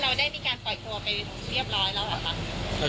เราได้ปล่อยแล้ว